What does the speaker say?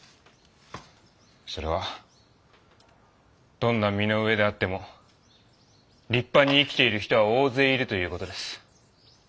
それはどんな身の上であっても立派に生きている人は大勢いるという事です。